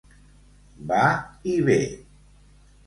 Va i ve.